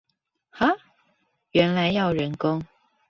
哈！原來要人工！